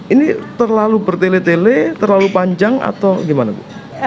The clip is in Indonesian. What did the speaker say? ini terlalu bertele tele terlalu panjang atau bagaimana